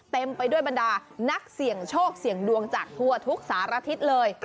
เต็มไปด้วยบรรดานักเสี่ยงโชคเสี่ยงดวงจากทั่วทุกสารทิศเลย